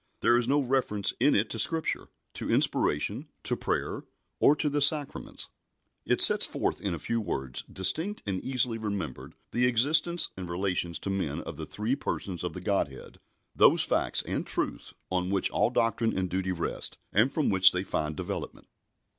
There is no reference in it to Scripture, to Inspiration, to Prayer, or to the Sacraments. It sets forth in a few words, distinct and easily remembered, the existence and relations to men of the three Persons of the Godhead those facts and truths on which all doctrine and duty rest, and from which they find development.